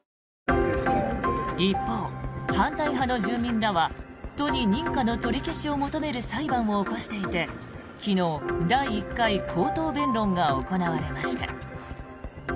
一方、反対派の住民らは都に認可の取り消しを求める裁判を起こしていて昨日、第１回口頭弁論が行われました。